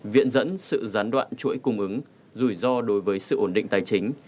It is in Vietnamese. viện dẫn sự gián đoạn chuỗi cung ứng rủi ro đối với sự ổn định tài chính